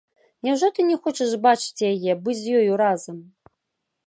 Няўжо ты не хочаш бачыць яе, быць з ёю разам?